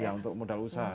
ya untuk modal usaha